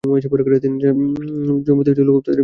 তিনি তার জমিতে লোহা উৎপাদনে বিনিয়োগ করেন।